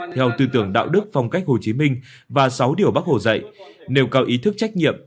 theo tư tưởng đạo đức phong cách hồ chí minh và sáu điều bác hồ dạy nêu cao ý thức trách nhiệm